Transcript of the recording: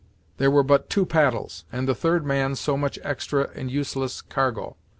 There were but two paddles, and the third man so much extra and useless cargo.